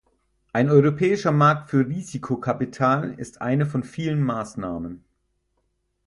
Ein europäischer Markt für Risikokapital ist eine von vielen Maßnahmen.